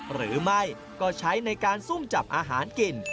หรือไม่ก็ใช้ในการซุ่มจับอาหารกิน